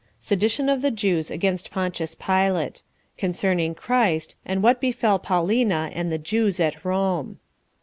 Sedition Of The Jews Against Pontius Pilate. Concerning Christ, And What Befell Paulina And The Jews At Rome.